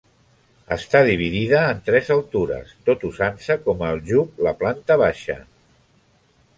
Està dividida en tres altures, tot usant-se com a aljub la planta baixa.